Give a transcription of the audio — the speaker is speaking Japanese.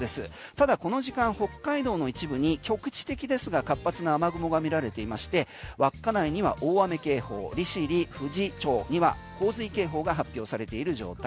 ただこの時間、北海道の一部に局地的ですが活発な雨雲が見られていまして稚内には大雨警報利尻富士町には洪水警報が発表されている状態。